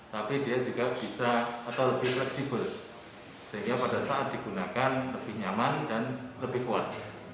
tapi dia juga bisa atau lebih fleksibel sehingga pada saat digunakan lebih nyaman dan lebih kuat